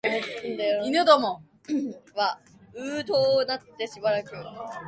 犬どもはううとうなってしばらく室の中をくるくる廻っていましたが、